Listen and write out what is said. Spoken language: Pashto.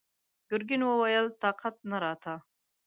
ګرګين وويل: طاقت نه راته!